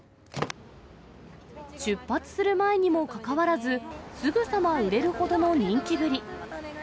出発する前にもかかわらず、すぐさま売れるほどの人気ぶり。